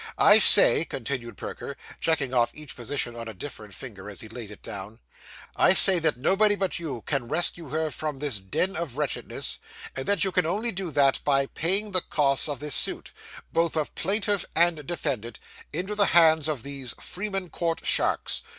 I say,' continued Perker, checking off each position on a different finger, as he laid it down 'I say that nobody but you can rescue her from this den of wretchedness; and that you can only do that, by paying the costs of this suit both of plaintive and defendant into the hands of these Freeman Court sharks.